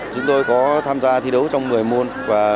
chúng tôi có tham gia thi đấu trong một mươi môn